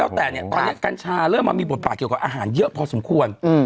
แล้วแต่เนี่ยตอนนี้กัญชาเริ่มมามีบทบาทเกี่ยวกับอาหารเยอะพอสมควร